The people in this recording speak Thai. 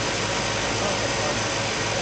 หัวเท่ากำปั้น